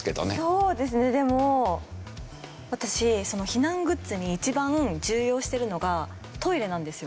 そうですねでも私避難グッズに一番重要してるのがトイレなんですよ。